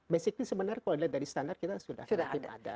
basically sebenarnya kalau dilihat dari standar kita sudah ada